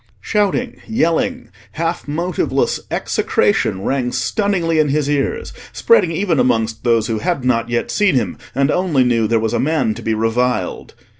Shouting, yelling, half motiveless execration rang stunningly in his ears, spreading even amongst those who had not yet seen him, and only knew there was a man to be reviled.